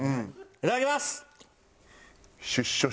いただきます！